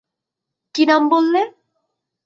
কী নাম বললে?